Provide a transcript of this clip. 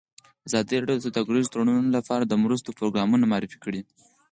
ازادي راډیو د سوداګریز تړونونه لپاره د مرستو پروګرامونه معرفي کړي.